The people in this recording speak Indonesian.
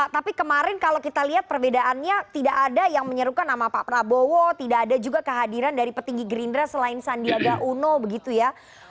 tapi kemarin kalau kita lihat perbedaannya tidak ada yang menyerukan nama pak prabowo tidak ada juga kehadiran dari petinggi gerindra selain sandiaga uno begitu ya